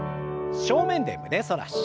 正面で胸反らし。